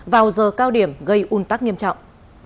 vào giờ cao điểm gây un tắc nghiêm trọng